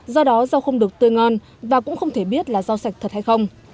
do đó rau không được tươi ngon và cũng không thể biết là rau sạch thật hay không